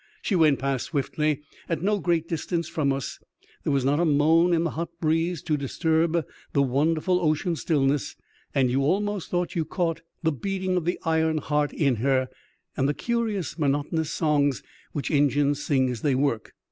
She went past swiftly, at no great distance from us ; there was not a moan in the hot breeze to disturb the wonderful ocean stillness, and you almost thought you caught the beating of the iron heart in her, and the curious monotonous songs which engines sing as they work.